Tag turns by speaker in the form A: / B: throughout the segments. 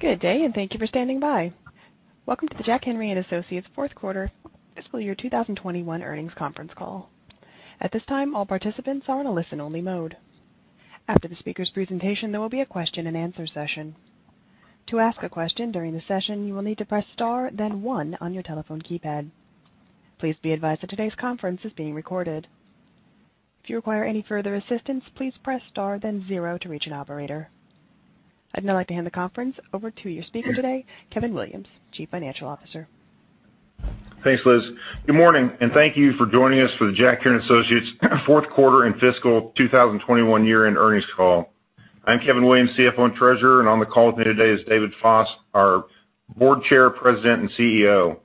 A: Good day, and thank you for standing by. Welcome to the Jack Henry & Associates fourth quarter fiscal year 2021 earnings conference call. At this time, all participants are in a listen-only mode. After the speaker's presentation, there will be a question and answer session. To ask a question during the session, you will need to press star then one on your telephone keypad. Please be advised that today's conference is being recorded. If you require any further assistance, please press star then zero to reach an operator. I'd now like to hand the conference over to your speaker today, Kevin Williams, Chief Financial Officer.
B: Thanks, Liz. Good morning, and thank you for joining us for the Jack Henry & Associates fourth quarter and fiscal 2021 year-end earnings call. I'm Kevin Williams, CFO and Treasurer, and on the call with me today is David Foss, our Board Chair, President, and CEO.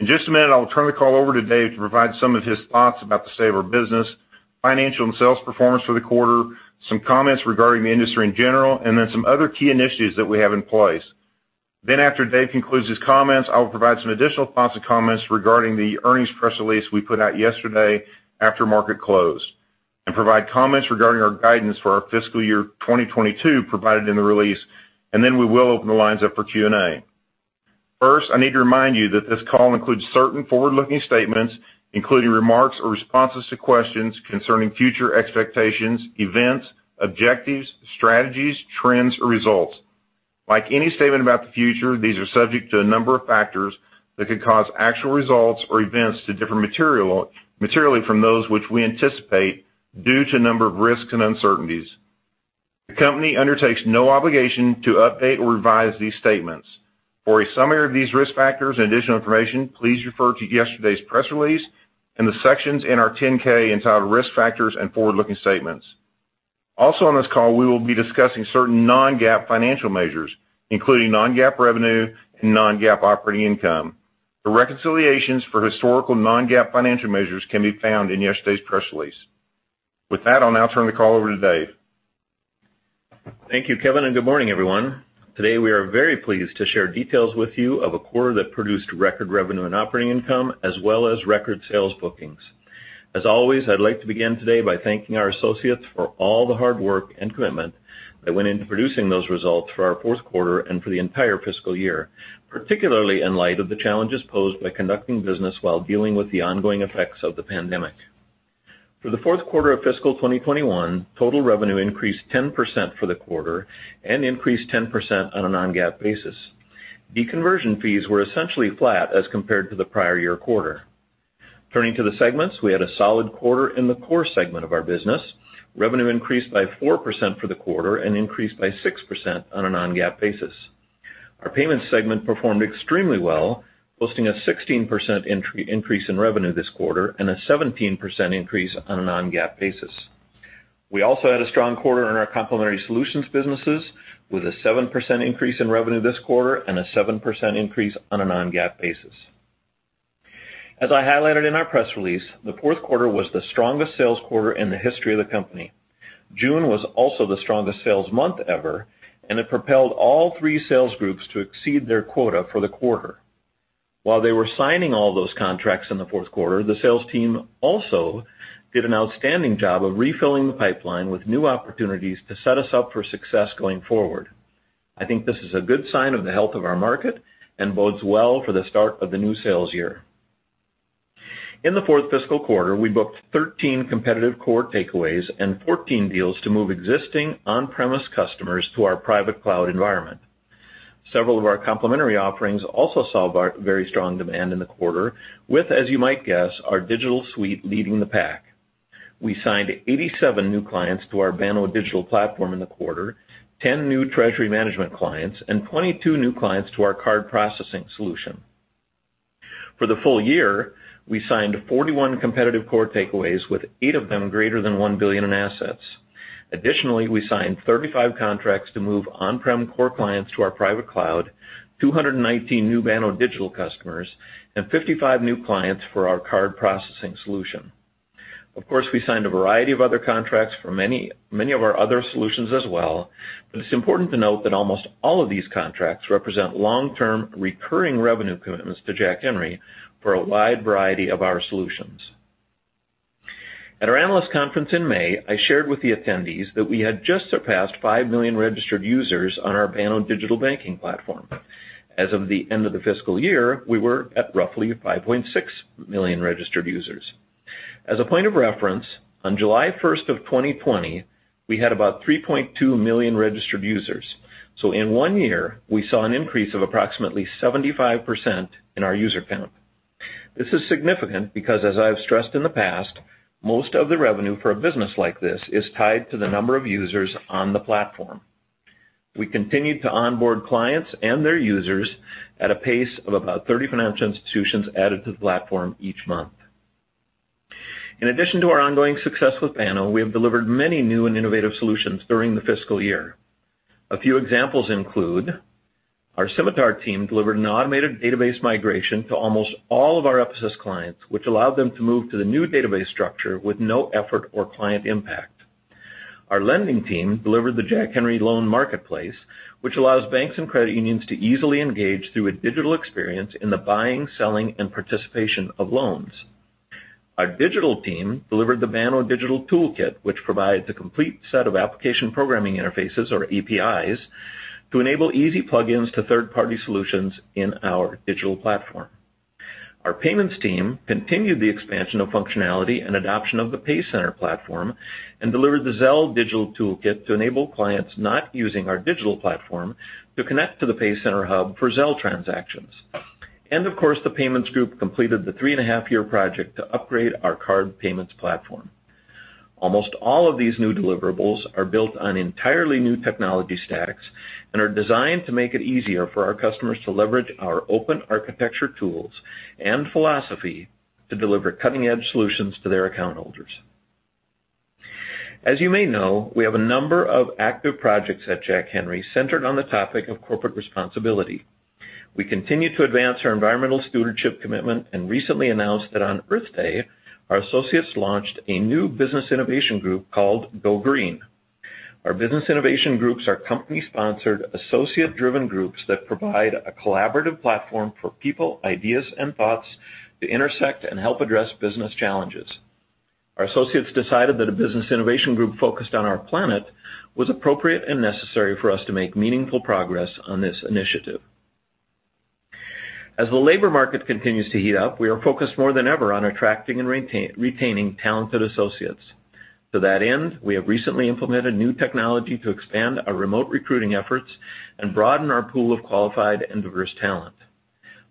B: In just a minute, I will turn the call over to Dave to provide some of his thoughts about the state of our business, financial and sales performance for the quarter, some comments regarding the industry in general, and then some other key initiatives that we have in place. After Dave concludes his comments, I will provide some additional thoughts and comments regarding the earnings press release we put out yesterday after market close and provide comments regarding our guidance for our fiscal year 2022 provided in the release, and then we will open the lines up for Q&A. First, I need to remind you that this call includes certain forward-looking statements, including remarks or responses to questions concerning future expectations, events, objectives, strategies, trends, or results. Like any statement about the future, these are subject to a number of factors that could cause actual results or events to differ materially from those which we anticipate due to a number of risks and uncertainties. The company undertakes no obligation to update or revise these statements. For a summary of these risk factors and additional information, please refer to yesterday's press release and the sections in our 10-K entitled Risk Factors and Forward-Looking Statements. On this call, we will be discussing certain non-GAAP financial measures, including non-GAAP revenue and non-GAAP operating income. The reconciliations for historical non-GAAP financial measures can be found in yesterday's press release. With that, I'll now turn the call over to Dave.
C: Thank you, Kevin. Good morning, everyone. Today, we are very pleased to share details with you of a quarter that produced record revenue and operating income as well as record sales bookings. As always, I'd like to begin today by thanking our associates for all the hard work and commitment that went into producing those results for our fourth quarter and for the entire fiscal year, particularly in light of the challenges posed by conducting business while dealing with the ongoing effects of the pandemic. For the fourth quarter of fiscal 2021, total revenue increased 10% for the quarter and increased 10% on a non-GAAP basis. Deconversion fees were essentially flat as compared to the prior year quarter. Turning to the segments, we had a solid quarter in the core segment of our business. Revenue increased by 4% for the quarter and increased by 6% on a non-GAAP basis. Our payments segment performed extremely well, posting a 16% increase in revenue this quarter and a 17% increase on a non-GAAP basis. We also had a strong quarter in our complementary solutions businesses with a 7% increase in revenue this quarter and a 7% increase on a non-GAAP basis. As I highlighted in our press release, the fourth quarter was the strongest sales quarter in the history of the company. June was also the strongest sales month ever, and it propelled all three sales groups to exceed their quota for the quarter. While they were signing all those contracts in the fourth quarter, the sales team also did an outstanding job of refilling the pipeline with new opportunities to set us up for success going forward. I think this is a good sign of the health of our market and bodes well for the start of the new sales year. In the fourth fiscal quarter, we booked 13 competitive core takeaways and 14 deals to move existing on-premise customers to our private cloud environment. Several of our complementary offerings also saw very strong demand in the quarter with, as you might guess, our digital suite leading the pack. We signed 87 new clients to our Banno Digital Platform in the quarter, 10 new treasury management clients, and 22 new clients to our card processing solution. For the full year, we signed 41 competitive core takeaways, with eight of them greater than $1 billion in assets. Additionally, we signed 35 contracts to move on-prem core clients to our private cloud, 219 new Banno Digital customers, and 55 new clients for our card processing solution. Of course, we signed a variety of other contracts for many of our other solutions as well, but it's important to note that almost all of these contracts represent long-term recurring revenue commitments to Jack Henry for a wide variety of our solutions. At our analyst conference in May, I shared with the attendees that we had just surpassed 5 million registered users on our Banno digital banking platform. As of the end of the fiscal year, we were at roughly 5.6 million registered users. As a point of reference, on July 1st of 2020, we had about 3.2 million registered users. In one year, we saw an increase of approximately 75% in our user count. This is significant because, as I have stressed in the past, most of the revenue for a business like this is tied to the number of users on the platform. We continued to onboard clients and their users at a pace of about 30 financial institutions added to the platform each month. In addition to our ongoing success with Banno, we have delivered many new and innovative solutions during the fiscal year. A few examples include our Symitar team delivered an automated database migration to almost all of our FIs clients, which allowed them to move to the new database structure with no effort or client impact. Our lending team delivered the Jack Henry Loan Marketplace, which allows banks and credit unions to easily engage through a digital experience in the buying, selling, and participation of loans. Our digital team delivered the Banno Digital Toolkit, which provides a complete set of application programming interfaces, or APIs, to enable easy plugins to third-party solutions in our digital platform. Our payments team continued the expansion of functionality and adoption of the PayCenter platform and delivered the Zelle Digital Toolkit to enable clients not using our digital platform to connect to the PayCenter hub for Zelle transactions. Of course, the payments group completed the three-and-a-half-year project to upgrade our card payments platform. Almost all of these new deliverables are built on entirely new technology stacks and are designed to make it easier for our customers to leverage our open architecture tools and philosophy to deliver cutting-edge solutions to their account holders. As you may know, we have a number of active projects at Jack Henry centered on the topic of corporate responsibility. We continue to advance our environmental stewardship commitment and recently announced that on Earth Day, our associates launched a new business innovation group called Go Green. Our business innovation groups are company-sponsored, associate-driven groups that provide a collaborative platform for people, ideas, and thoughts to intersect and help address business challenges. Our associates decided that a business innovation group focused on our planet was appropriate and necessary for us to make meaningful progress on this initiative. As the labor market continues to heat up, we are focused more than ever on attracting and retaining talented associates. To that end, we have recently implemented new technology to expand our remote recruiting efforts and broaden our pool of qualified and diverse talent.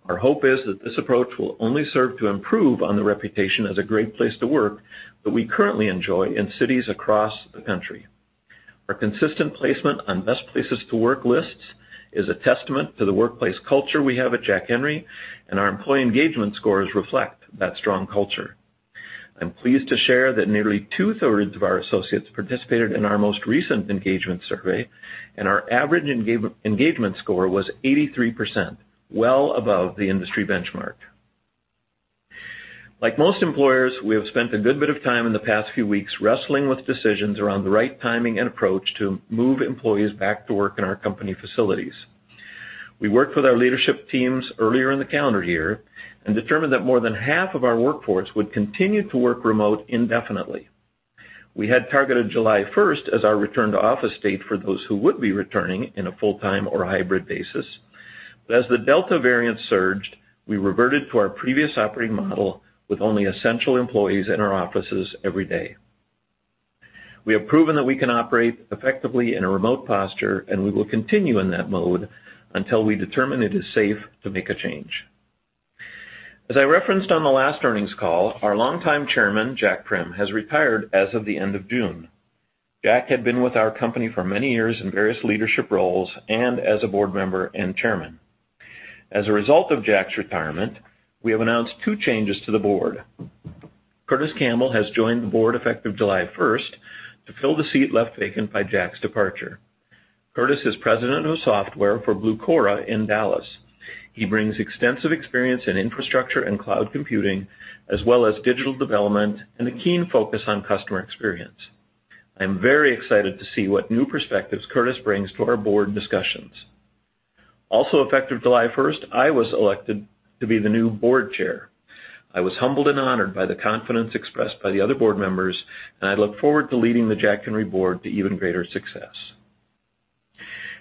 C: Our hope is that this approach will only serve to improve on the reputation as a great place to work that we currently enjoy in cities across the country. Our consistent placement on best places to work lists is a testament to the workplace culture we have at Jack Henry, and our employee engagement scores reflect that strong culture. I'm pleased to share that nearly 2/3 of our associates participated in our most recent engagement survey, and our average engagement score was 83%, well above the industry benchmark. Like most employers, we have spent a good bit of time in the past few weeks wrestling with decisions around the right timing and approach to move employees back to work in our company facilities. We worked with our leadership teams earlier in the calendar year and determined that more than half of our workforce would continue to work remote indefinitely. We had targeted July 1st as our return-to-office date for those who would be returning in a full-time or hybrid basis. As the Delta variant surged, we reverted to our previous operating model with only essential employees in our offices every day. We have proven that we can operate effectively in a remote posture, and we will continue in that mode until we determine it is safe to make a change. As I referenced on the last earnings call, our longtime Chairman, Jack Prim, has retired as of the end of June. Jack had been with our company for many years in various leadership roles and as a board member and Chairman. As a result of Jack's retirement, we have announced two changes to the board. Curtis Campbell has joined the board effective July 1st to fill the seat left vacant by Jack's departure. Curtis is President of Software for Blucora in Dallas. He brings extensive experience in infrastructure and cloud computing, as well as digital development and a keen focus on customer experience. I am very excited to see what new perspectives Curtis brings to our board discussions. Also effective July 1st, I was elected to be the new Board Chair. I was humbled and honored by the confidence expressed by the other board members, and I look forward to leading the Jack Henry board to even greater success.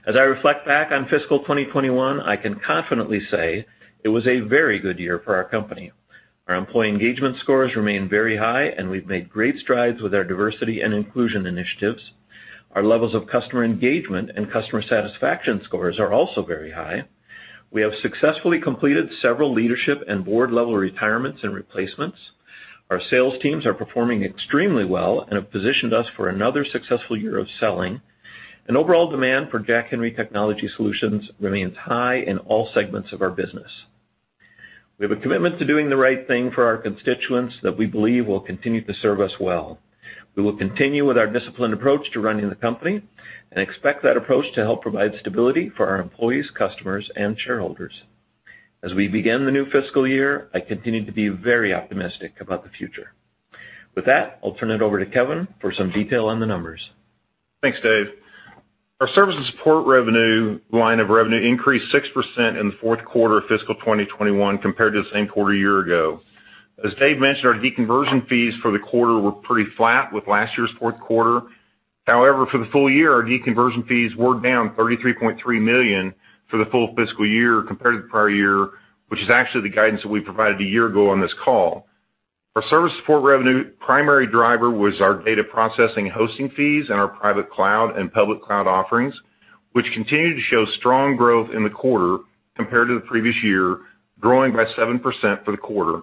C: As I reflect back on fiscal 2021, I can confidently say it was a very good year for our company. Our employee engagement scores remain very high, and we've made great strides with our diversity and inclusion initiatives. Our levels of customer engagement and customer satisfaction scores are also very high. We have successfully completed several leadership and board-level retirements and replacements. Our sales teams are performing extremely well and have positioned us for another successful year of selling. Overall demand for Jack Henry technology solutions remains high in all segments of our business. We have a commitment to doing the right thing for our constituents that we believe will continue to serve us well. We will continue with our disciplined approach to running the company and expect that approach to help provide stability for our employees, customers, and shareholders. As we begin the new fiscal year, I continue to be very optimistic about the future. With that, I'll turn it over to Kevin for some detail on the numbers.
B: Thanks, Dave. Our service and support line of revenue increased 6% in the fourth quarter of fiscal 2021 compared to the same quarter a year ago. As Dave mentioned, our deconversion fees for the quarter were pretty flat with last year's fourth quarter. However, for the full year, our deconversion fees were down $33.3 million for the full fiscal year compared to the prior year, which is actually the guidance that we provided a year ago on this call. Our service support revenue primary driver was our data processing hosting fees and our private cloud and public cloud offerings, which continued to show strong growth in the quarter compared to the previous year, growing by 7% for the quarter.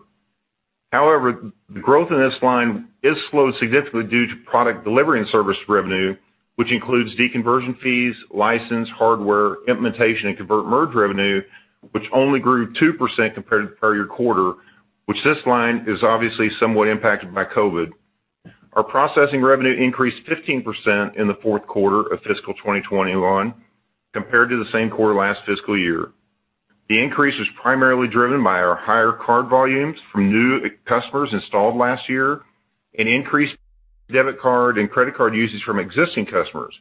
B: However, the growth in this line is slowed significantly due to product delivery and service revenue, which includes deconversion fees, license, hardware, implementation, and convert merge revenue, which only grew 2% compared to the prior quarter, which this line is obviously somewhat impacted by COVID. Our processing revenue increased 15% in the fourth quarter of fiscal 2021 compared to the same quarter last fiscal year. The increase was primarily driven by our higher card volumes from new customers installed last year and increased debit card and credit card usage from existing customers.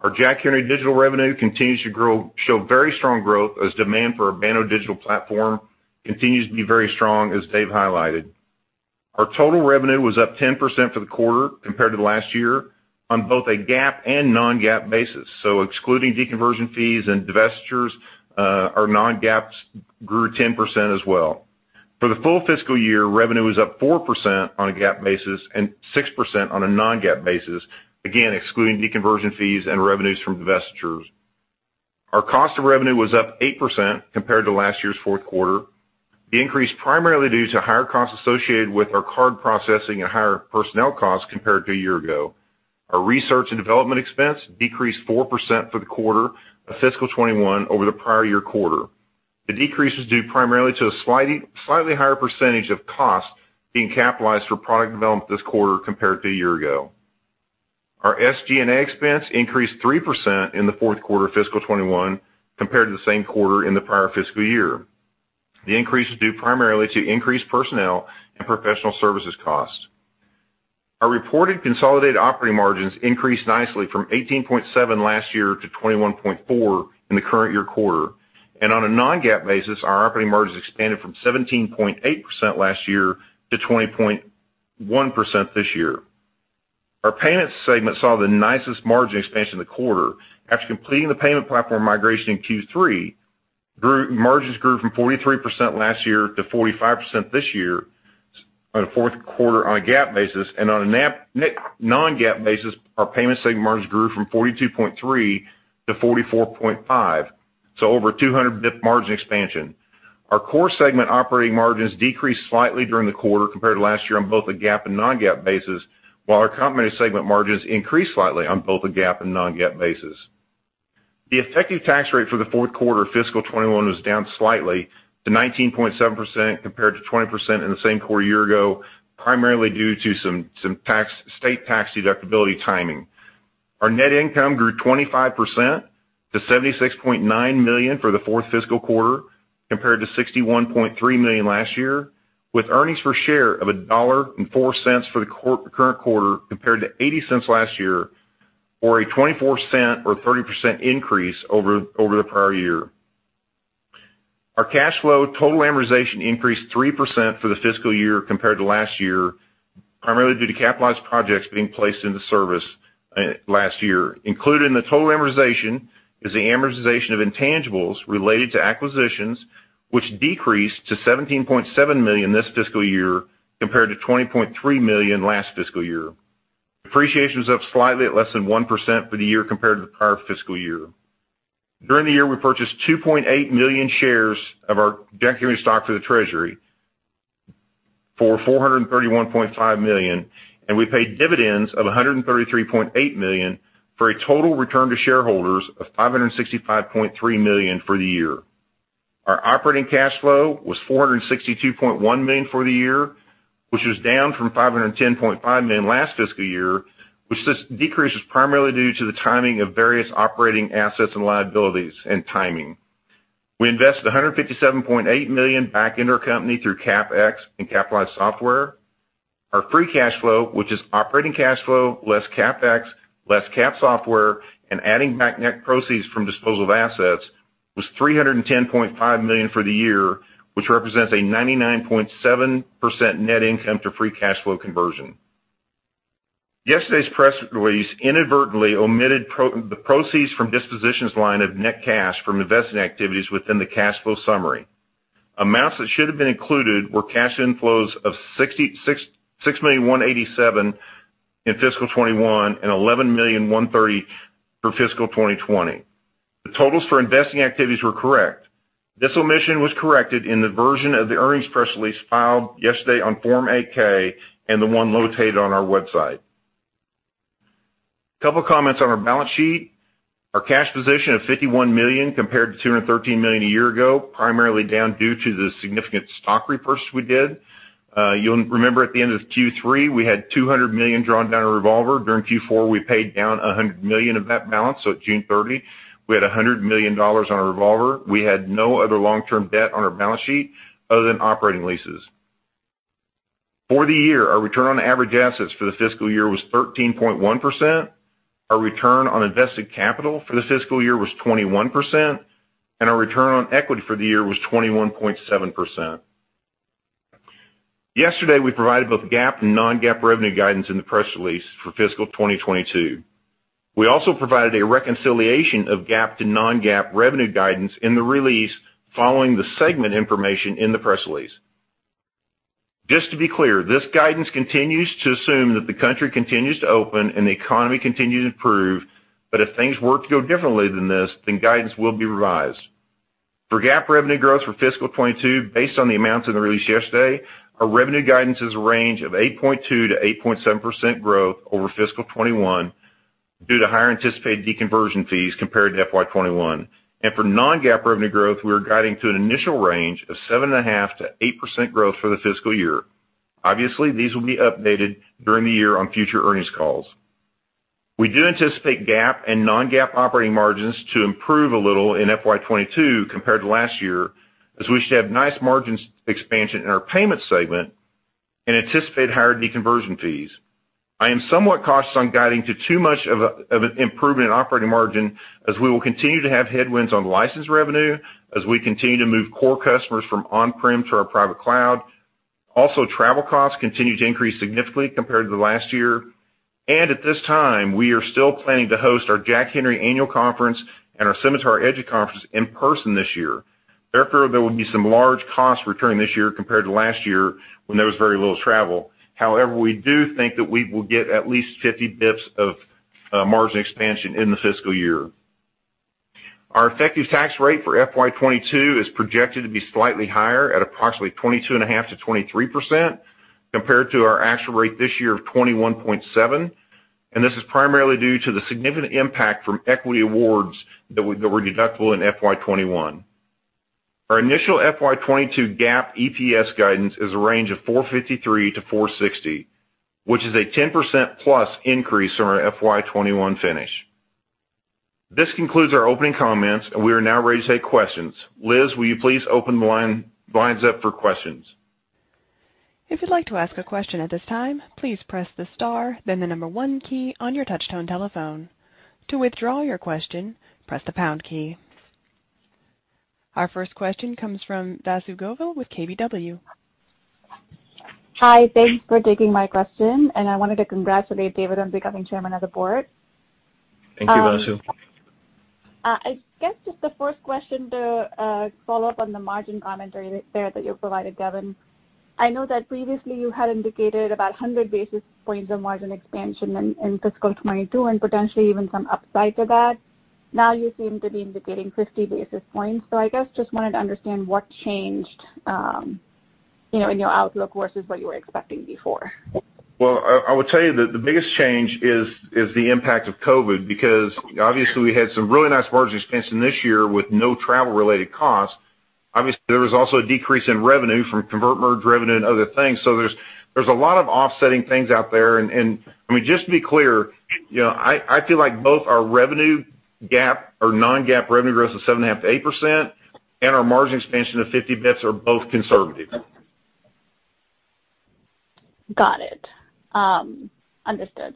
B: Our Jack Henry digital revenue continues to show very strong growth as demand for our Banno Digital Platform continues to be very strong, as Dave highlighted. Our total revenue was up 10% for the quarter compared to last year on both a GAAP and non-GAAP basis. Excluding deconversion fees and divestitures, our non-GAAP grew 10% as well. For the full fiscal year, revenue is up 4% on a GAAP basis and 6% on a non-GAAP basis, again, excluding deconversion fees and revenues from divestitures. Our cost of revenue was up 8% compared to last year's fourth quarter. The increase primarily due to higher costs associated with our card processing and higher personnel costs compared to a year ago. Our research and development expense decreased 4% for the quarter of fiscal 2021 over the prior year quarter. The decrease is due primarily to a slightly higher percentage of costs being capitalized for product development this quarter compared to a year ago. Our SG&A expense increased 3% in the fourth quarter of fiscal 2021 compared to the same quarter in the prior fiscal year. The increase is due primarily to increased personnel and professional services costs. Our reported consolidated operating margins increased nicely from 18.7 last year to 21.4 in the current year quarter. On a non-GAAP basis, our operating margins expanded from 17.8% last year to 20.1% this year. Our payments segment saw the nicest margin expansion in the quarter after completing the payment platform migration in Q3, margins grew from 43% last year to 45% this year on the fourth quarter on a GAAP basis. On a non-GAAP basis, our payment segment margins grew from 42.3%-44.5%, so over 200 BP margin expansion. Our core segment operating margins decreased slightly during the quarter compared to last year on both a GAAP and non-GAAP basis, while our complementary segment margins increased slightly on both a GAAP and non-GAAP basis. The effective tax rate for the fourth quarter of fiscal 2021 was down slightly to 19.7% compared to 20% in the same quarter a year ago, primarily due to some state tax deductibility timing. Our net income grew 25% to $76.9 million for the fourth fiscal quarter, compared to $61.3 million last year, with earnings per share of $1.04 for the current quarter, compared to $0.80 last year, or a $0.24 or 30% increase over the prior year. Our cash flow total amortization increased 3% for the fiscal year compared to last year, primarily due to capitalized projects being placed into service last year. Included in the total amortization is the amortization of intangibles related to acquisitions, which decreased to $17.7 million this fiscal year compared to $20.3 million last fiscal year. Depreciation was up slightly at less than 1% for the year compared to the prior fiscal year. During the year, we purchased 2.8 million shares of our Jack Henry stock for the treasury for $431.5 million, and we paid dividends of $133.8 million, for a total return to shareholders of $565.3 million for the year. Our operating cash flow was $462.1 million for the year, which was down from $510.5 million last fiscal year, which this decrease was primarily due to the timing of various operating assets and liabilities and timing. We invested $157.8 million back into our company through CapEx and capitalized software. Our free cash flow, which is operating cash flow, less CapEx, less cap software, and adding back net proceeds from disposal of assets, was $310.5 million for the year, which represents a 99.7% net income to free cash flow conversion. Yesterday's press release inadvertently omitted the proceeds from dispositions line of net cash from investing activities within the cash flow summary. Amounts that should have been included were cash inflows of $6,187 in fiscal 2021 and $11,130 for fiscal 2020. The totals for investing activities were correct. This omission was corrected in the version of the earnings press release filed yesterday on Form 8-K and the one located on our website. A couple of comments on our balance sheet. Our cash position of $51 million compared to $213 million a year ago, primarily down due to the significant stock repurchase we did. You'll remember at the end of Q3, we had $200 million drawn down our revolver. During Q4, we paid down $100 million of that balance. At June 30, we had $100 million on our revolver. We had no other long-term debt on our balance sheet other than operating leases. For the year, our return on average assets for the fiscal year was 13.1%. Our return on invested capital for the fiscal year was 21%, and our return on equity for the year was 21.7%. Yesterday, we provided both GAAP and non-GAAP revenue guidance in the press release for fiscal 2022. We also provided a reconciliation of GAAP to non-GAAP revenue guidance in the release following the segment information in the press release. Just to be clear, this guidance continues to assume that the country continues to open and the economy continues to improve, but if things were to go differently than this, then guidance will be revised. For GAAP revenue growth for fiscal 2022, based on the amounts in the release yesterday, our revenue guidance is a range of 8.2%-8.7% growth over fiscal 2021 due to higher anticipated deconversion fees compared to FY 2021. For non-GAAP revenue growth, we are guiding to an initial range of 7.5%-8% growth for the fiscal year. Obviously, these will be updated during the year on future earnings calls. We do anticipate GAAP and non-GAAP operating margins to improve a little in FY 2022 compared to last year, as we should have nice margins expansion in our payment segment and anticipate higher deconversion fees. I am somewhat cautious on guiding to too much of an improvement in operating margin as we will continue to have headwinds on license revenue as we continue to move core customers from on-prem to our private cloud. Travel costs continue to increase significantly compared to the last year. At this time, we are still planning to host our Jack Henry annual conference and our Symitar EDGE conference in person this year. There will be some large costs returning this year compared to last year when there was very little travel. We do think that we will get at least 50 basis points of margin expansion in the fiscal year. Our effective tax rate for FY 2022 is projected to be slightly higher at approximately 22.5%-23%, compared to our actual rate this year of 21.7%. This is primarily due to the significant impact from equity awards that were deductible in FY 2021. Our initial FY 2022 GAAP EPS guidance is a range of $4.53-$4.60, which is a 10%+ increase from our FY 2021 finish. This concludes our opening comments, and we are now ready to take questions. Liz, will you please open the lines up for questions?
A: If you'd like to ask a question at this time please press the star then the number one key on your touchtone telephone. To withdraw your question press the pound key. Our first question comes from Vasundhara Govil with KBW.
D: Hi. Thanks for taking my question, and I wanted to congratulate David on becoming chairman of the board.
B: Thank you, Vasu.
D: I guess just the first question to follow up on the margin commentary there that you provided, Kevin Williams. I know that previously you had indicated about 100 basis points of margin expansion in fiscal 2022 and potentially even some upside to that. Now you seem to be indicating 50 basis points. I guess just wanted to understand what changed in your outlook versus what you were expecting before.
B: I will tell you that the biggest change is the impact of COVID, because obviously we had some really nice margin expansion this year with no travel-related costs. Obviously, there was also a decrease in revenue from convert merge revenue and other things. There's a lot of offsetting things out there. Just to be clear, I feel like both our revenue GAAP or non-GAAP revenue growth of 7.5%-8% and our margin expansion of 50 basis points are both conservative.
D: Got it. Understood.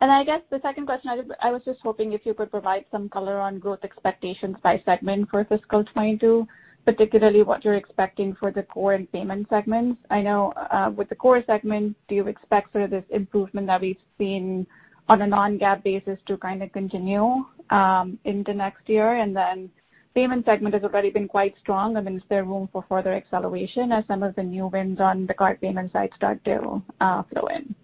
D: I guess the second question, I was just hoping if you could provide some color on growth expectations by segment for fiscal 2022, particularly what you're expecting for the core and payment segments. I know with the core segment, do you expect sort of this improvement that we've seen on a non-GAAP basis to kind of continue into next year? The payment segment has already been quite strong. Is there room for further acceleration as some of the new wins on the card payment side start to flow in?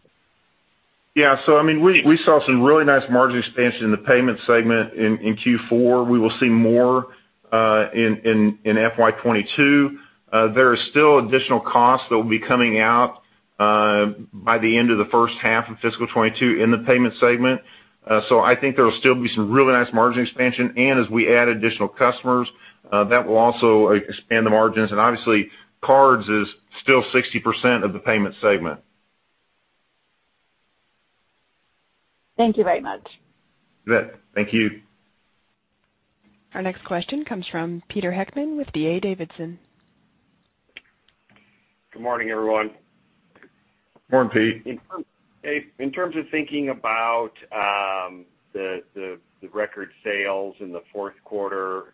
B: Yeah, we saw some really nice margin expansion in the payment segment in Q4. We will see more in FY 2022. There is still additional costs that will be coming out by the end of the first half of fiscal 2022 in the payment segment. I think there will still be some really nice margin expansion, as we add additional customers, that will also expand the margins. Obviously, cards is still 60% of the payment segment.
D: Thank you very much.
B: You bet. Thank you.
A: Our next question comes from Peter Heckmann with D.A. Davidson.
E: Good morning, everyone.
B: Morning, Pete.
E: In terms of thinking about the record sales in the fourth quarter,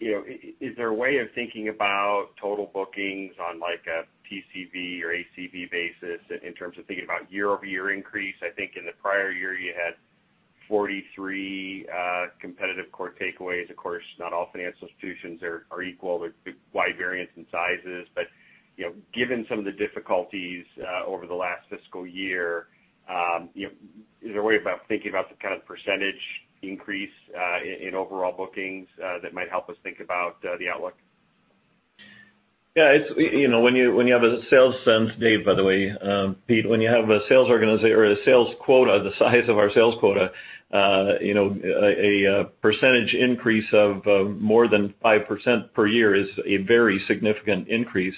E: is there a way of thinking about total bookings on like a TCV or ACV basis in terms of thinking about year-over-year increase? I think in the prior year you had 43 competitive core takeaways. Of course, not all financial institutions are equal. There's wide variance in sizes. Given some of the difficulties over the last fiscal year, is there a way about thinking about the kind of percentage increase in overall bookings that might help us think about the outlook?
C: When you have a sales sense, Dave, by the way, Pete, when you have a sales quota the size of our sales quota, a percentage increase of more than 5% per year is a very significant increase.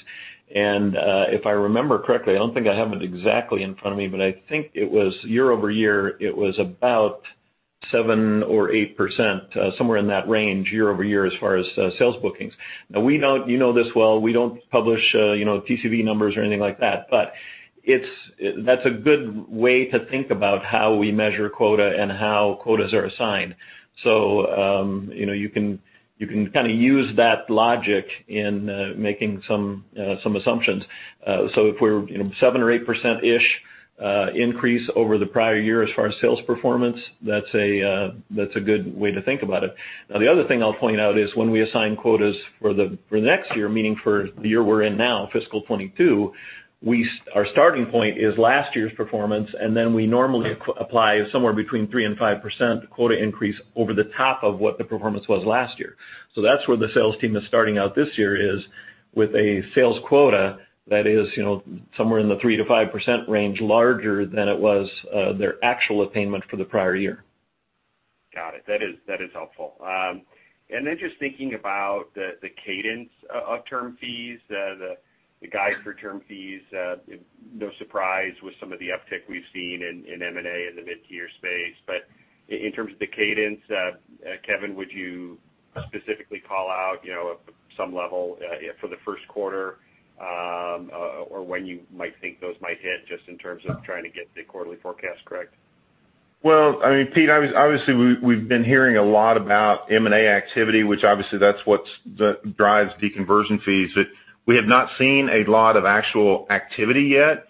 C: If I remember correctly, I don't think I have it exactly in front of me, but I think it was year-over-year, it was about 7% or 8%, somewhere in that range year-over-year as far as sales bookings. You know this well, we don't publish TCV numbers or anything like that. That's a good way to think about how we measure quota and how quotas are assigned. You can kind of use that logic in making some assumptions. If we're 7% or 8%-ish increase over the prior year as far as sales performance, that's a good way to think about it. The other thing I'll point out is when we assign quotas for the next year, meaning for the year we're in now, fiscal 2022, our starting point is last year's performance, and then we normally apply somewhere between 3% and 5% quota increase over the top of what the performance was last year. That's where the sales team is starting out this year is with a sales quota that is somewhere in the 3%-5% range larger than it was their actual attainment for the prior year.
E: Got it. That is helpful. Then just thinking about the cadence of term fees, the guide for term fees. No surprise with some of the uptick we've seen in M&A in the mid-tier space. In terms of the cadence, Kevin, would you specifically call out some level for the first quarter? Or when you might think those might hit just in terms of trying to get the quarterly forecast correct?
B: Well, Pete, obviously, we've been hearing a lot about M&A activity, which obviously that's what drives deconversion fees. We have not seen a lot of actual activity yet,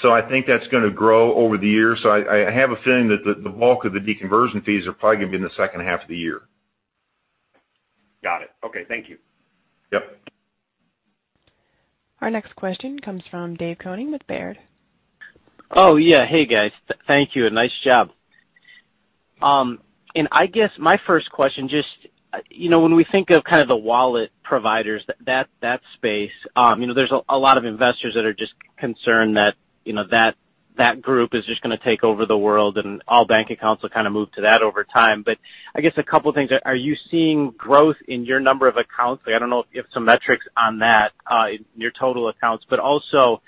B: so I think that's going to grow over the year. I have a feeling that the bulk of the deconversion fees are probably going to be in the second half of the year.
E: Got it. Okay. Thank you.
B: Yep.
A: Our next question comes from David Koning with Baird.
F: Oh yeah. Hey, guys. Thank you and nice job. I guess my first question just, when we think of kind of the wallet providers, that space, there's a lot of investors that are just concerned that group is just going to take over the world and all bank accounts will kind of move to that over time. I guess a couple things. Are you seeing growth in your number of accounts? I don't know if you have some metrics on that in your total accounts. Also,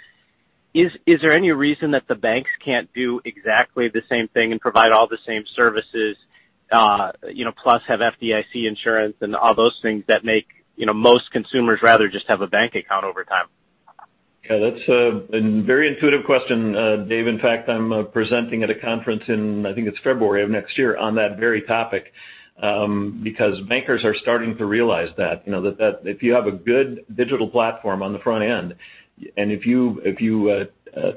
F: is there any reason that the banks can't do exactly the same thing and provide all the same services, plus have FDIC insurance and all those things that make most consumers rather just have a bank account over time?
C: That's a very intuitive question, Dave. In fact, I'm presenting at a conference in, I think it's February of next year on that very topic. Bankers are starting to realize that if you have a good digital platform on the front end, and if you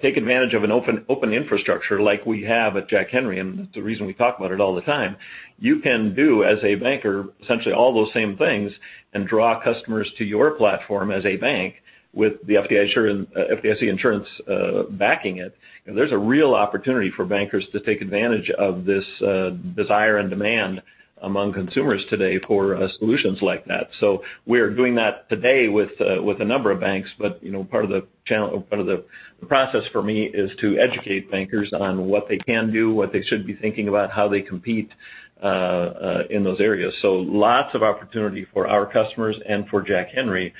C: take advantage of an open infrastructure like we have at Jack Henry, and that's the reason we talk about it all the time, you can do as a banker, essentially all those same things and draw customers to your platform as a bank with the FDIC insurance backing it. There's a real opportunity for bankers to take advantage of this desire and demand among consumers today for solutions like that. We're doing that today with a number of banks. Part of the process for me is to educate bankers on what they can do, what they should be thinking about, how they compete in those areas. Lots of opportunity for our customers and for Jack Henry,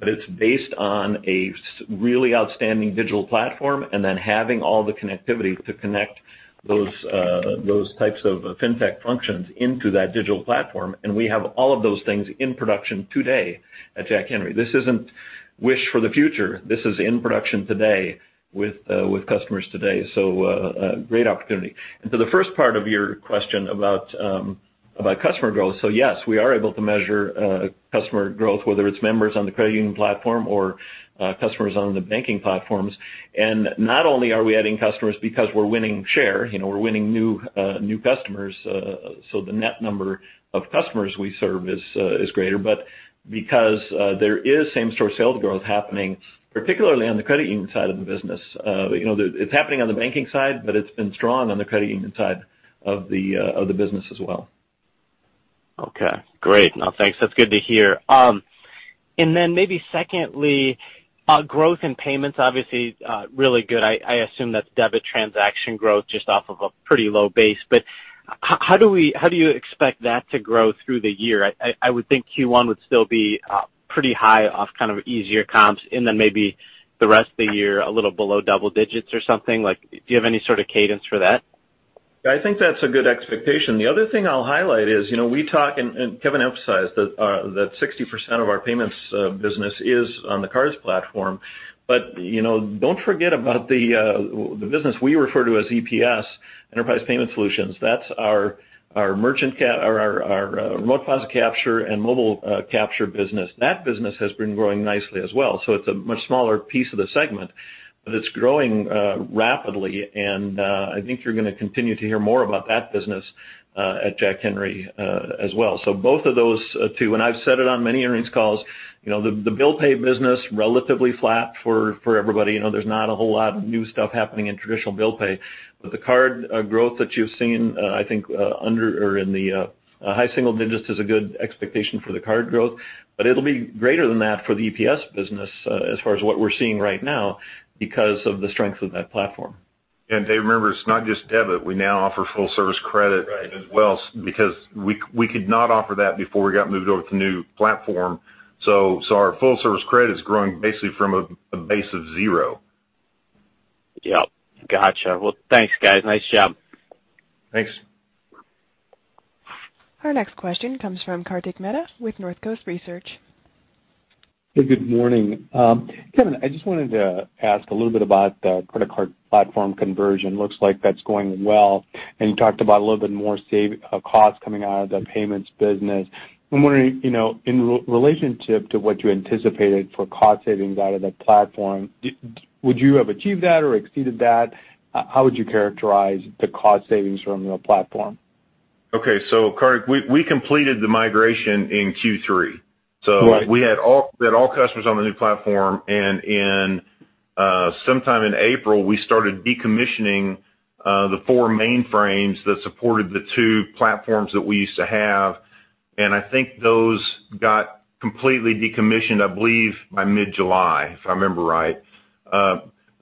C: but it's based on a really outstanding digital platform and then having all the connectivity to connect those types of fintech functions into that digital platform. We have all of those things in production today at Jack Henry. This isn't wish for the future. This is in production today with customers today. A great opportunity. To the first part of your question about customer growth. Yes, we are able to measure customer growth, whether it's members on the credit union platform or customers on the banking platforms. Not only are we adding customers because we're winning share, we're winning new customers, so the net number of customers we serve is greater. Because there is same-store sales growth happening, particularly on the credit union side of the business. It's happening on the banking side, but it's been strong on the credit union side of the business as well.
F: Okay. Great. Now, thanks. That's good to hear. Maybe secondly, growth in payments obviously really good. I assume that's debit transaction growth just off of a pretty low base. How do you expect that to grow through the year? I would think Q1 would still be pretty high off kind of easier comps and then maybe the rest of the year a little below double digits or something like, do you have any sort of cadence for that?
C: I think that's a good expectation. The other thing I'll highlight is, we talk and Kevin emphasized that 60% of our payments business is on the cards platform. Don't forget about the business we refer to as EPS, Enterprise Payment Solutions. That's our remote deposit capture and mobile capture business. That business has been growing nicely as well. It's a much smaller piece of the segment, but it's growing rapidly. I think you're going to continue to hear more about that business at Jack Henry as well. Both of those two, I've said it on many earnings calls, the bill pay business relatively flat for everybody. There's not a whole lot of new stuff happening in traditional bill pay. The card growth that you've seen, I think under or in the high single digits is a good expectation for the card growth. It'll be greater than that for the EPS business as far as what we're seeing right now because of the strength of that platform.
B: Dave, remember, it's not just debit. We now offer full-service credit. As well because we could not offer that before we got moved over to the new platform. Our full-service credit is growing basically from a base of zero.
F: Yep. Got you. Well, thanks guys. Nice job.
C: Thanks.
A: Our next question comes from Kartik Mehta with Northcoast Research Partners.
G: Hey, good morning. Kevin, I just wanted to ask a little bit about the credit card platform conversion. Looks like that's going well, and you talked about a little bit more cost coming out of the payments business. I'm wondering, in relationship to what you anticipated for cost savings out of that platform, would you have achieved that or exceeded that? How would you characterize the cost savings from the platform?
B: Okay. Kartik, we completed the migration in Q3.
G: Right.
B: We had all customers on the new platform, and sometime in April, we started decommissioning the 4 mainframes that supported the 2 platforms that we used to have. I think those got completely decommissioned, I believe by mid-July, if I remember right.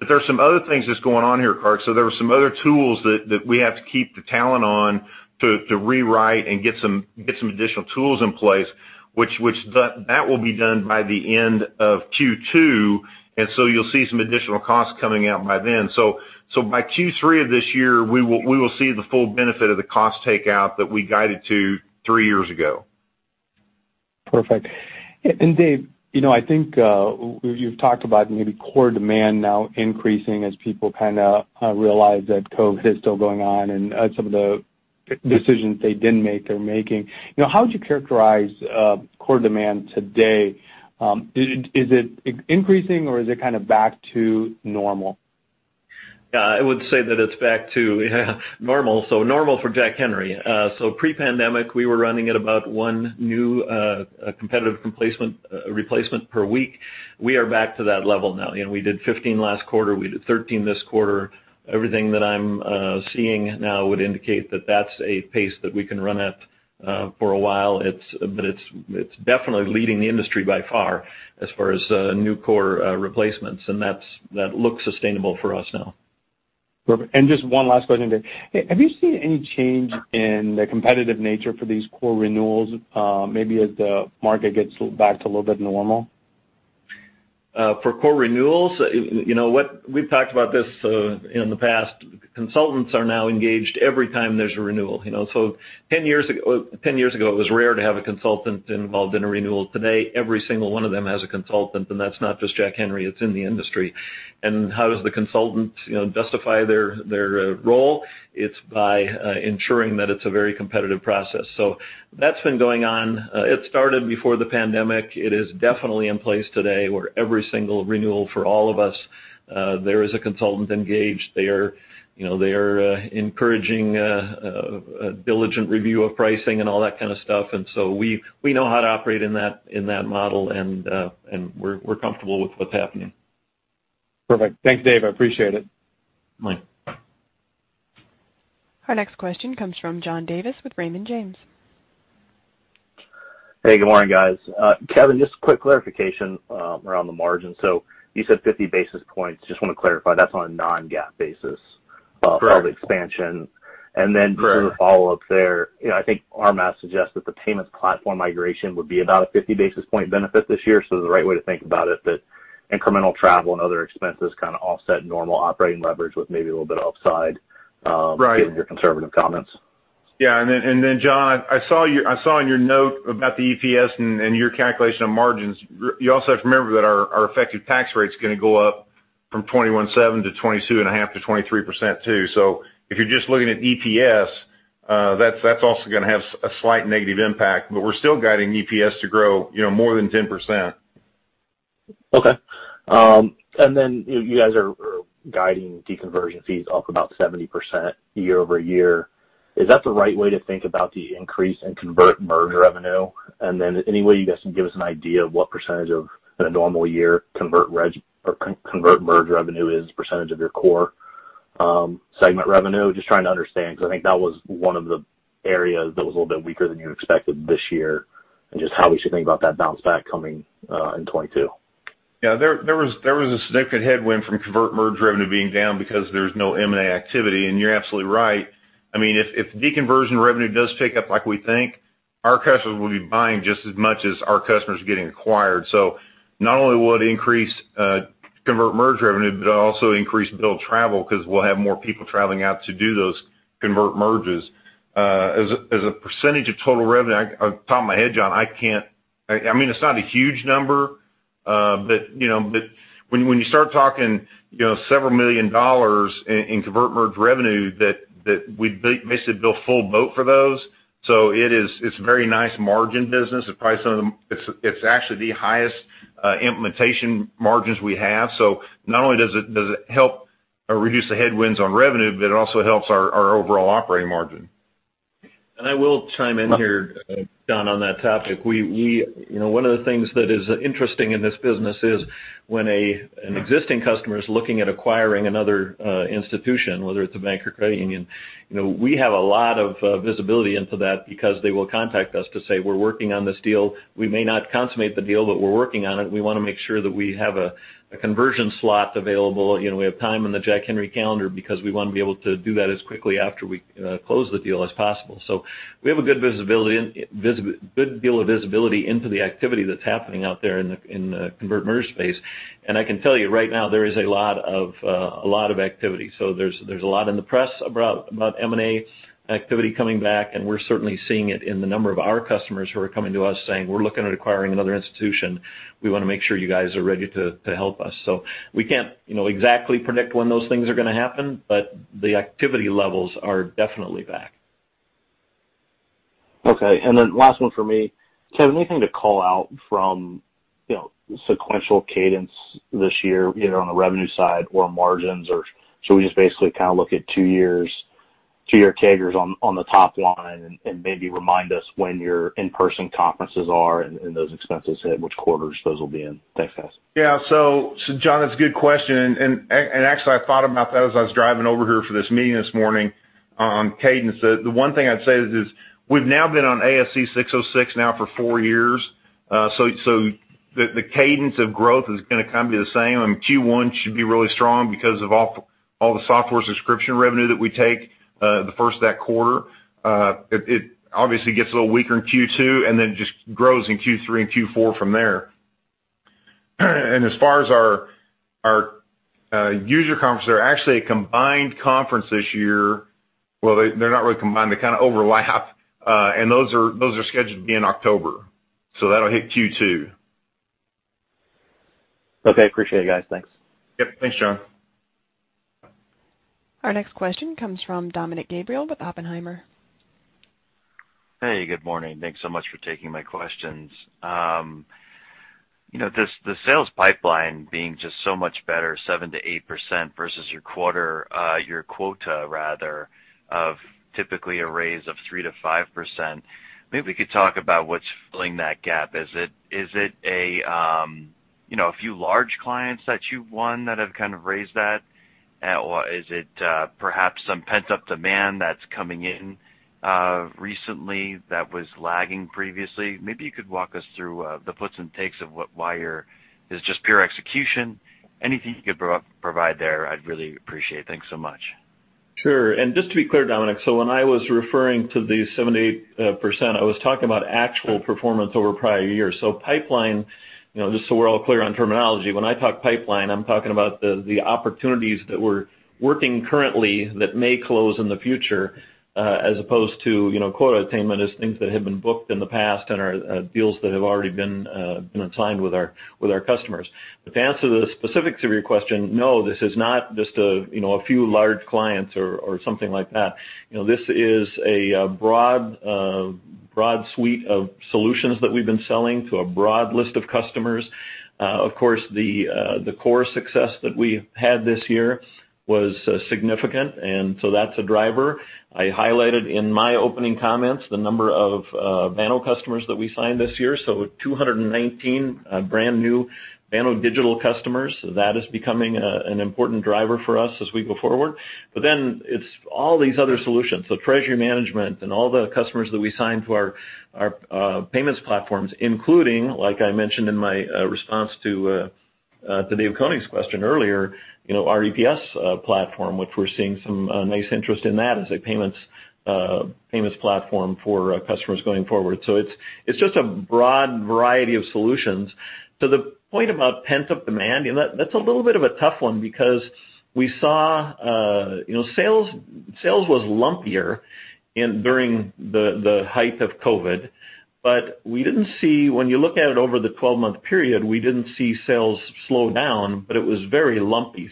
B: There's some other things that's going on here, Kartik. There were some other tools that we have to keep the talent on to rewrite and get some additional tools in place, which that will be done by the end of Q2. You'll see some additional costs coming out by then. By Q3 of this year, we will see the full benefit of the cost takeout that we guided to three years ago.
G: Perfect. Dave, I think you've talked about maybe core demand now increasing as people kind of realize that COVID is still going on, and some of the decisions they didn't make, they're making. How would you characterize core demand today? Is it increasing or is it kind of back to normal?
C: Yeah. I would say that it's back to normal. Normal for Jack Henry. Pre-pandemic, we were running at about one new competitive replacement per week. We are back to that level now. We did 15 last quarter, we did 13 this quarter. Everything that I'm seeing now would indicate that that's a pace that we can run at for a while, but it's definitely leading the industry by far as far as new core replacements, and that looks sustainable for us now.
G: Perfect. Just one last question, Dave. Have you seen any change in the competitive nature for these core renewals, maybe as the market gets back to a little bit normal?
C: For core renewals? We've talked about this in the past. Consultants are now engaged every time there's a renewal. 10 years ago, it was rare to have a consultant involved in a renewal. Today, every single one of them has a consultant, and that's not just Jack Henry, it's in the industry. How does the consultant justify their role? It's by ensuring that it's a very competitive process. That's been going on. It started before the pandemic. It is definitely in place today, where every single renewal for all of us, there is a consultant engaged. They are encouraging a diligent review of pricing and all that kind of stuff. We know how to operate in that model, and we're comfortable with what's happening.
G: Perfect. Thanks, Dave. I appreciate it.
A: Our next question comes from John Davis with Raymond James.
H: Hey, good morning, guys. Kevin, just a quick clarification around the margin. You said 50 basis points. Just want to clarify, that's on a non-GAAP basis of expansion.
B: Correct.
H: Just as a follow-up there. I think our math suggests that the payments platform migration would be about a 50-basis-point benefit this year. Is the right way to think about it that incremental travel and other expenses kind of offset normal operating leverage with maybe a little bit of upside? Given your conservative comments?
B: Yeah. John, I saw in your note about the EPS and your calculation of margins. You also have to remember that our effective tax rate's going to go up from 21.7% to 22.5%-23% too. If you're just looking at EPS, that's also going to have a slight negative impact. We're still guiding EPS to grow more than 10%.
H: Okay. You guys are guiding deconversion fees up about 70% year-over-year. Is that the right way to think about the increase in convert merge revenue? Any way you guys can give us an idea of what percentage of a normal year convert merge revenue is, percentage of your core segment revenue? Just trying to understand, because I think that was 1 of the areas that was a little bit weaker than you expected this year, and just how we should think about that bounce back coming in 2022.
B: Yeah. There was a significant headwind from convert merge revenue being down because there's no M&A activity. You're absolutely right. If deconversion revenue does pick up like we think, our customers will be buying just as much as our customers are getting acquired. Not only will it increase convert merge revenue, but it'll also increase bill travel because we'll have more people traveling out to do those convert merges. As a percentage of total revenue, off the top of my head, John, it's not a huge number. When you start talking several million dollars in convert merge revenue, we basically bill full boat for those. It's very nice margin business. It's actually the highest implementation margins we have. Not only does it help reduce the headwinds on revenue, but it also helps our overall operating margin.
C: I will chime in here, John, on that topic. One of the things that is interesting in this business is when an existing customer is looking at acquiring another institution, whether it's a bank or credit union, we have a lot of visibility into that because they will contact us to say, "We're working on this deal. We may not consummate the deal, but we're working on it. We want to make sure that we have a conversion slot available. We have time on the Jack Henry calendar because we want to be able to do that as quickly after we close the deal as possible." We have a good deal of visibility into the activity that's happening out there in the convert merge space. I can tell you right now, there is a lot of activity. There's a lot in the press about M&A activity coming back, and we're certainly seeing it in the number of our customers who are coming to us saying, "We're looking at acquiring another institution. We want to make sure you guys are ready to help us." We can't exactly predict when those things are going to happen, but the activity levels are definitely back.
H: Okay. Last one from me. Kevin, anything to call out from sequential cadence this year, either on the revenue side or margins? Should we just basically kind of look at two-year CAGRs on the top line and maybe remind us when your in-person conferences are and those expenses hit, which quarters those will be in? Thanks, guys.
B: Yeah. John, that's a good question. Actually, I thought about that as I was driving over here for this meeting this morning on cadence. The one thing I'd say is we've now been on ASC 606 now for four years. The cadence of growth is going to kind of be the same. Q1 should be really strong because of all- All the software subscription revenue that we take the first of that quarter. It obviously gets a little weaker in Q2, and then just grows in Q3 and Q4 from there. As far as our user conference, they're actually a combined conference this year. Well, they're not really combined. They kind of overlap. Those are scheduled to be in October, so that'll hit Q2.
H: Okay. Appreciate it, guys. Thanks.
B: Yep. Thanks, John.
A: Our next question comes from Dominick Gabriele with Oppenheimer.
I: Hey, good morning. Thanks so much for taking my questions. The sales pipeline being just so much better, 7%-8%, versus your quota rather, of typically a raise of 3%-5%. Maybe we could talk about what's filling that gap. Is it a few large clients that you've won that have kind of raised that? Or is it perhaps some pent-up demand that's coming in recently that was lagging previously? Maybe you could walk us through the puts and takes. Is it just pure execution? Anything you could provide there, I'd really appreciate. Thanks so much.
C: Sure. Just to be clear, Dominick, when I was referring to the 7%-8%, I was talking about actual performance over prior years. Pipeline, just so we're all clear on terminology, when I talk pipeline, I'm talking about the opportunities that we're working currently that may close in the future as opposed to quota attainment is things that have been booked in the past and are deals that have already been assigned with our customers. To answer the specifics of your question, no, this is not just a few large clients or something like that. This is a broad suite of solutions that we've been selling to a broad list of customers. Of course, the core success that we had this year was significant, that's a driver. I highlighted in my opening comments the number of Banno customers that we signed this year. 219 brand-new Banno Digital customers. That is becoming an important driver for us as we go forward. It's all these other solutions, the treasury management and all the customers that we signed for our payments platforms, including, like I mentioned in my response to David Koning's question earlier, our EPS platform, which we're seeing some nice interest in that as a payments platform for customers going forward. It's just a broad variety of solutions. To the point about pent-up demand, that's a little bit of a tough one because we saw sales was lumpier during the height of COVID. When you look at it over the 12-month period, we didn't see sales slow down, but it was very lumpy.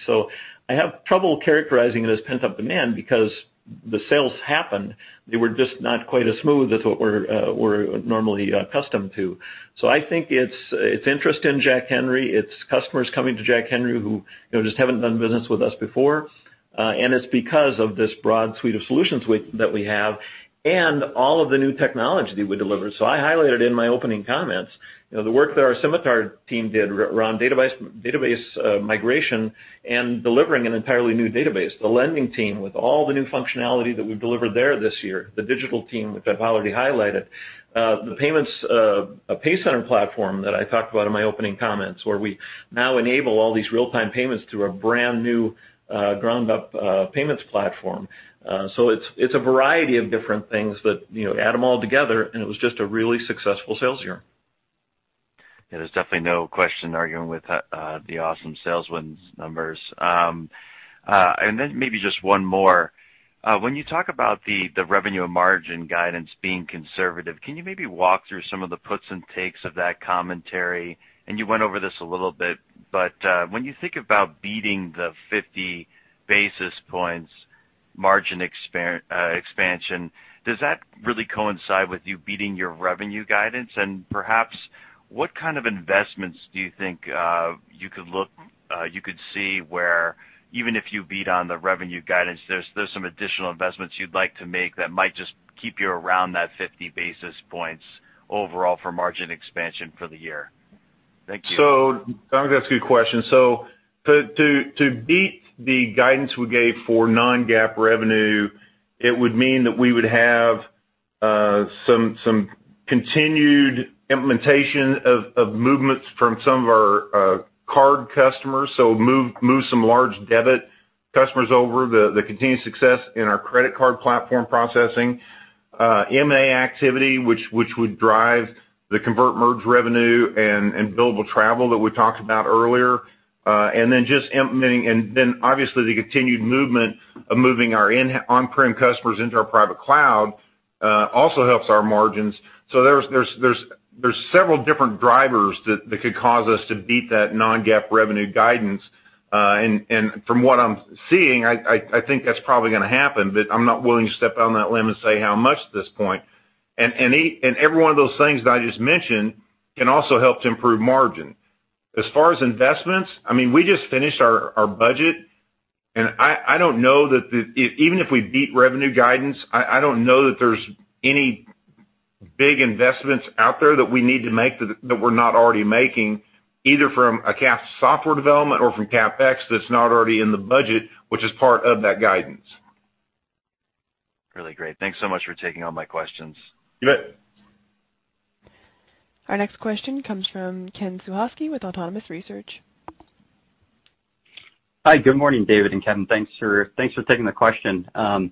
C: I have trouble characterizing it as pent-up demand because the sales happened. They were just not quite as smooth as what we're normally accustomed to. I think it's interest in Jack Henry, it's customers coming to Jack Henry who just haven't done business with us before. It's because of this broad suite of solutions that we have and all of the new technology that we deliver. I highlighted in my opening comments, the work that our Symitar team did around database migration and delivering an entirely new database. The lending team, with all the new functionality that we've delivered there this year. The digital team, which I've already highlighted. The payments PayCenter platform that I talked about in my opening comments, where we now enable all these real-time payments through a brand-new ground-up payments platform. It's a variety of different things that, add them all together, and it was just a really successful sales year.
I: Yeah, there's definitely no question arguing with the awesome sales wins numbers. Maybe just one more. When you talk about the revenue margin guidance being conservative, can you maybe walk through some of the puts and takes of that commentary? You went over this a little bit, when you think about beating the 50 basis points margin expansion, does that really coincide with you beating your revenue guidance? Perhaps what kind of investments do you think you could see where even if you beat on the revenue guidance, there's some additional investments you'd like to make that might just keep you around that 50 basis points overall for margin expansion for the year? Thank you.
C: Dominick, that's a good question. To beat the guidance we gave for non-GAAP revenue, it would mean that we would have some continued implementation of movements from some of our card customers. Move some large debit customers over. The continued success in our credit card platform processing. M&A activity, which would drive the convert merge revenue and billable travel that we talked about earlier. Just the continued movement of moving our on-prem customers into our private cloud also helps our margins. There's several different drivers that could cause us to beat that non-GAAP revenue guidance. From what I'm seeing, I think that's probably going to happen. I'm not willing to step out on that limb and say how much at this point. Every one of those things that I just mentioned can also help to improve margin.
B: As far as investments, we just finished our budget. I don't know that even if we beat revenue guidance, I don't know that there's any big investments out there that we need to make that we're not already making, either from a capitalized software development or from CapEx that's not already in the budget, which is part of that guidance.
I: Really great. Thanks so much for taking all my questions.
C: You bet.
A: Our next question comes from Kenneth Suchoski with Autonomous Research.
J: Hi. Good morning, David and Kevin. Thanks for taking the question. I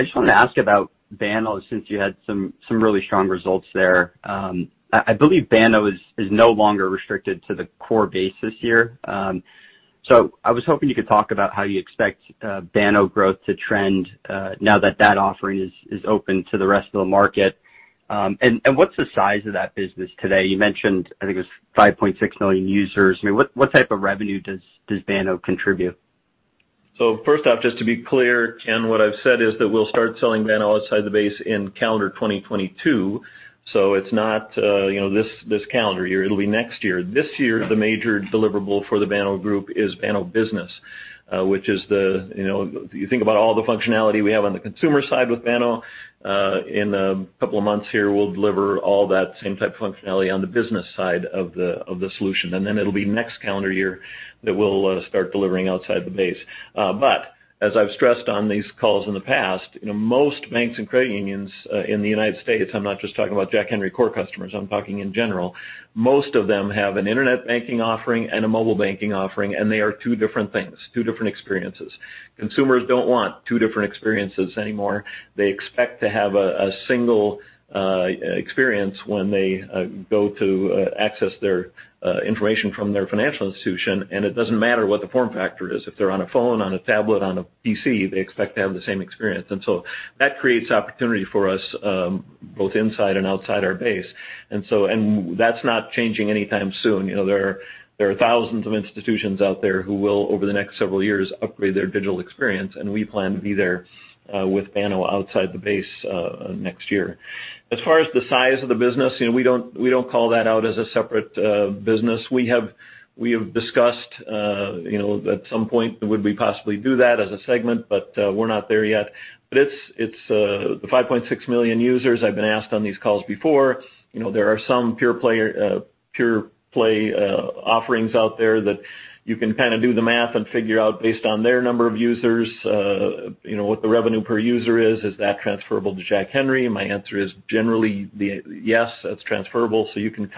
J: just wanted to ask about Banno, since you had some really strong results there. I believe Banno is no longer restricted to the core base this year. I was hoping you could talk about how you expect Banno growth to trend now that that offering is open to the rest of the market. What's the size of that business today? You mentioned, I think it was 5.6 million users. What type of revenue does Banno contribute?
C: First off, just to be clear, Ken, what I've said is that we'll start selling Banno outside the base in calendar 2022. It's not this calendar year. It'll be next year. This year, the major deliverable for the Banno group is Banno Business, which if you think about all the functionality we have on the consumer side with Banno, in a couple of months here, we'll deliver all that same type of functionality on the business side of the solution. Then it'll be next calendar year that we'll start delivering outside the base. As I've stressed on these calls in the past, most banks and credit unions in the United States, I'm not just talking about Jack Henry core customers, I'm talking in general, most of them have an internet banking offering and a mobile banking offering, and they are two different things, two different experiences. Consumers don't want two different experiences anymore. They expect to have a single experience when they go to access their information from their financial institution, and it doesn't matter what the form factor is. If they're on a phone, on a tablet, on a PC, they expect to have the same experience. That creates opportunity for us both inside and outside our base. That's not changing anytime soon. There are thousands of institutions out there who will, over the next several years, upgrade their digital experience, and we plan to be there with Banno outside the base next year. As far as the size of the business, we don't call that out as a separate business. We have discussed at some point would we possibly do that as a segment, but we're not there yet. It's the 5.6 million users. I've been asked on these calls before. There are some pure play offerings out there that you can do the math and figure out based on their number of users what the revenue per user is. Is that transferable to Jack Henry? My answer is generally, yes, that's transferable, so you can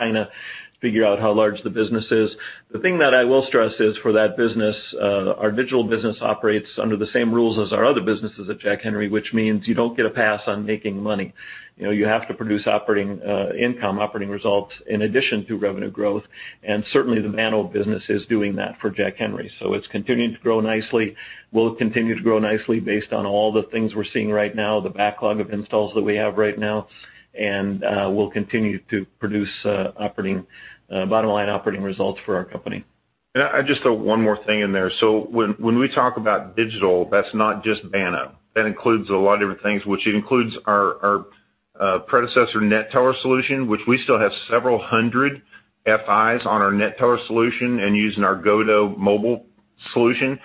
C: figure out how large the business is. The thing that I will stress is for that business, our digital business operates under the same rules as our other businesses at Jack Henry, which means you don't get a pass on making money. You have to produce operating income, operating results, in addition to revenue growth, and certainly the Banno business is doing that for Jack Henry. It's continuing to grow nicely. Will it continue to grow nicely based on all the things we're seeing right now, the backlog of installs that we have right now? Will it continue to produce bottom-line operating results for our company?
B: I just thought one more thing in there. When we talk about digital, that's not just Banno. That includes a lot of different things, which it includes our predecessor NetTeller solution, which we still have several 100 FIs on our NetTeller solution and using our goDough Mobile solution.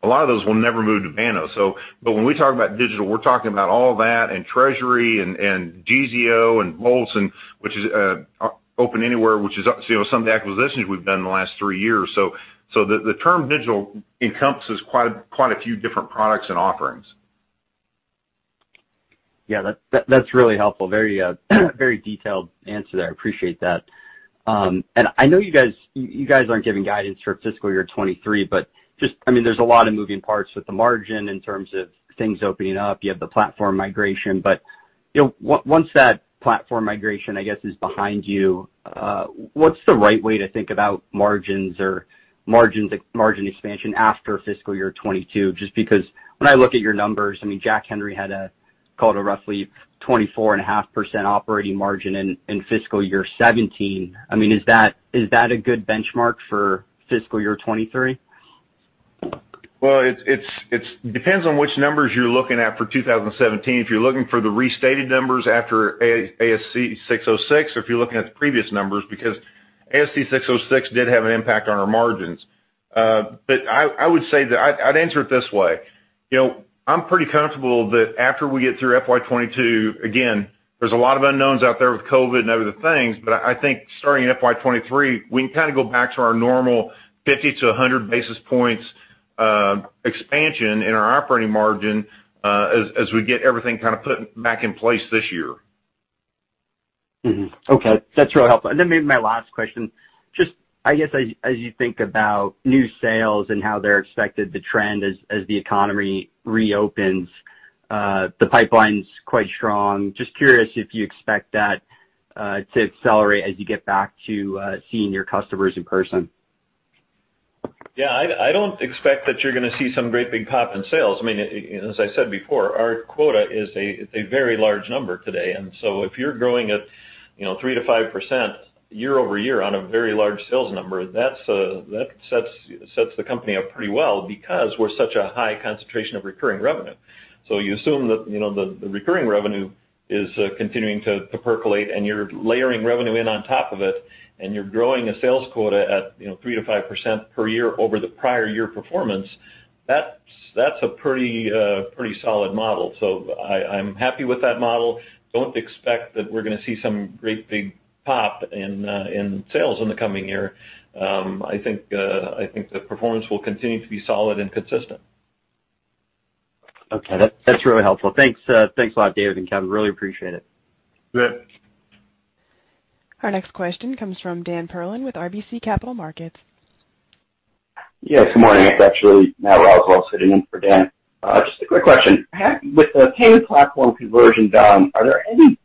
B: A lot of those will never move to Banno. When we talk about digital, we're talking about all that and Treasury and Geezeo and Volts, OpenAnywhere, which is some of the acquisitions we've done in the last three years. The term digital encompasses quite a few different products and offerings.
J: Yeah, that's really helpful. Very detailed answer there. I appreciate that. I know you guys aren't giving guidance for fiscal year 2023, but there's a lot of moving parts with the margin in terms of things opening up. You have the platform migration, but once that platform migration, I guess, is behind you, what's the right way to think about margins or margin expansion after fiscal year 2022? Just because when I look at your numbers, Jack Henry had call it a roughly 24.5% operating margin in fiscal year 2017. Is that a good benchmark for fiscal year 2023?
B: Well, it depends on which numbers you're looking at for 2017. If you're looking for the restated numbers after ASC 606, or if you're looking at the previous numbers, because ASC 606 did have an impact on our margins. I'd answer it this way. I'm pretty comfortable that after we get through FY 2022, again, there's a lot of unknowns out there with COVID and other things, I think starting in FY 2023, we can go back to our normal 50-100 basis points expansion in our operating margin as we get everything put back in place this year.
J: Okay, that's really helpful. Then maybe my last question, just I guess as you think about new sales and how they're expected to trend as the economy reopens, the pipeline's quite strong. Just curious if you expect that to accelerate as you get back to seeing your customers in person?
C: Yeah, I don't expect that you're going to see some great big pop in sales. As I said before, our quota is a very large number today. If you're growing at 3%-5% year-over-year on a very large sales number, that sets the company up pretty well because we're such a high concentration of recurring revenue. You assume that the recurring revenue is continuing to percolate and you're layering revenue in on top of it, and you're growing a sales quota at 3%-5% per year over the prior year performance, that's a pretty solid model. I'm happy with that model. Don't expect that we're going to see some great big pop in sales in the coming year. I think the performance will continue to be solid and consistent.
J: Okay. That's really helpful. Thanks a lot, David and Kevin. Really appreciate it.
C: Good.
A: Our next question comes from Dan Perlin with RBC Capital Markets.
K: Yes, good morning. It's actually Matt Roswell sitting in for Dan. Just a quick question. With the payments platform conversion done, are there any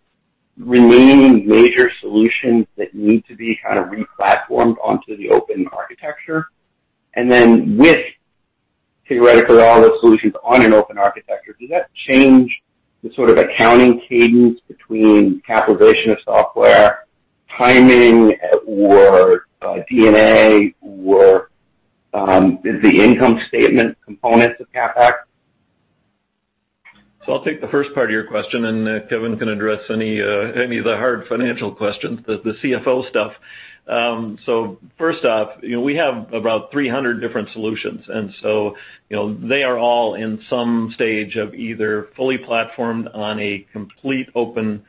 K: remaining major solutions that need to be kind of re-platformed onto the open architecture? With, theoretically, all those solutions on an open architecture, does that change the sort of accounting cadence between capitalization of software, timing or D&A, or the income statement components of CapEx?
C: I'll take the first part of your question, and Kevin can address any of the hard financial questions, the CFO stuff. First off, we have about 300 different solutions. They are all in some stage of either fully platformed on a complete open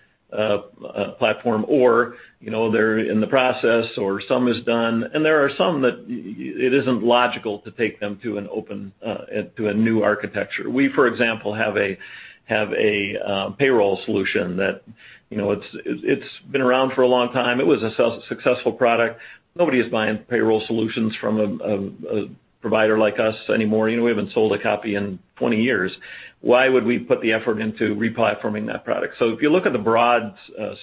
C: platform or they're in the process or some is done, and there are some that it isn't logical to take them to a new architecture. We, for example, have a payroll solution that it's been around for a long time. It was a successful product. Nobody is buying payroll solutions from a provider like us anymore. We haven't sold a copy in 20 years. Why would we put the effort into re-platforming that product? If you look at the broad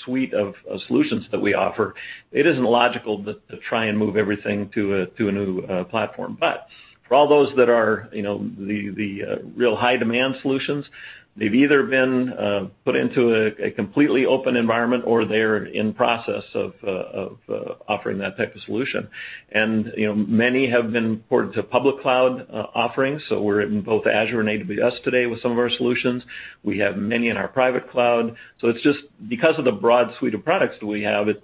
C: suite of solutions that we offer, it isn't logical to try and move everything to a new platform. For all those that are the real high-demand solutions, they've either been put into a completely open environment or they're in process of offering that type of solution. Many have been ported to public cloud offerings. We're in both Azure and AWS today with some of our solutions. We have many in our private cloud. It's just because of the broad suite of products that we have, it's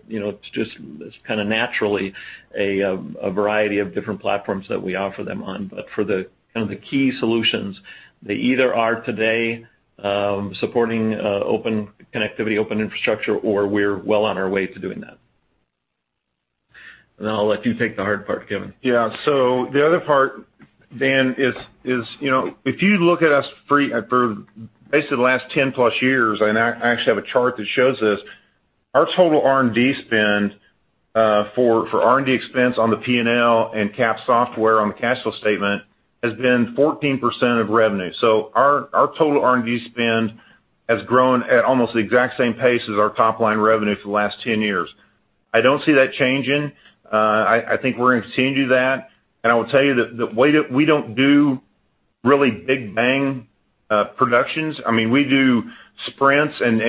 C: kind of naturally a variety of different platforms that we offer them on. For the kind of the key solutions, they either are today supporting open connectivity, open infrastructure, or we're well on our way to doing that. Then I'll let you take the hard part, Kevin.
B: Yeah. The other part, Dan, is if you look at us for basically the last 10+ years, and I actually have a chart that shows this. Our total R&D spend for R&D expense on the P&L and capitalized software on the cash flow statement has been 14% of revenue. Our total R&D spend has grown at almost the exact same pace as our top-line revenue for the last 10 years. I don't see that changing. I think we're going to continue to do that. I will tell you that we don't do really big bang productions. We do sprints and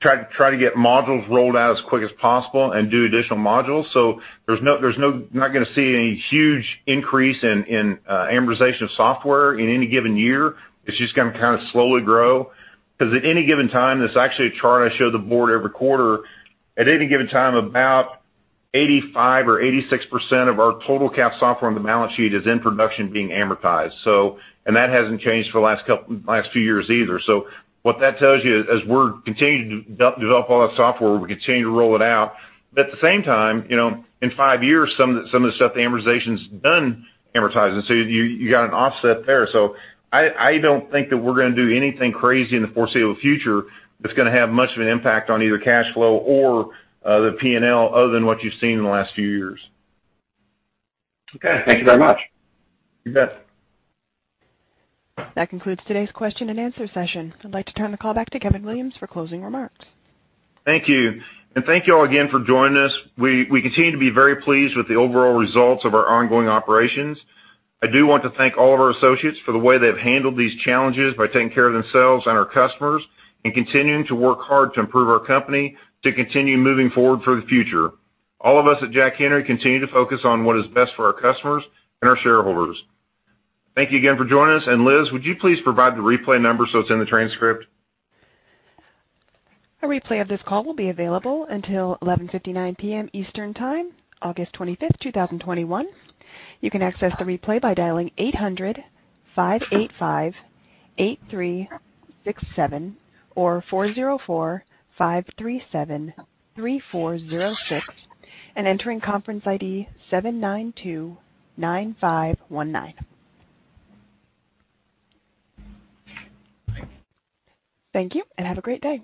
B: try to get modules rolled out as quick as possible and do additional modules. You're not gonna see any huge increase in amortization of software in any given year. It's just gonna kind of slowly grow, because at any given time, there's actually a chart I show the board every quarter. At any given time, about 85% or 86% of our total capitalized software on the balance sheet is in production being amortized. That hasn't changed for the last few years either. What that tells you is, as we're continuing to develop all that software, we continue to roll it out. At the same time, in five years, some of the stuff the amortization's done amortizing. You got an offset there. I don't think that we're gonna do anything crazy in the foreseeable future that's gonna have much of an impact on either cash flow or the P&L other than what you've seen in the last few years.
K: Okay. Thank you very much.
B: You bet.
A: That concludes today's question and answer session. I'd like to turn the call back to Kevin Williams for closing remarks.
B: Thank you. Thank you all again for joining us. We continue to be very pleased with the overall results of our ongoing operations. I do want to thank all of our associates for the way they've handled these challenges by taking care of themselves and our customers, and continuing to work hard to improve our company to continue moving forward for the future. All of us at Jack Henry continue to focus on what is best for our customers and our shareholders. Thank you again for joining us. Liz, would you please provide the replay number so it's in the transcript?
A: The replay of this all will be available until 11:59PM EST, August 25th 2021. You can access the replay by dialing 8005858367 or 4045373406 and entering conference ID 7929519. Thank you, and have a great day.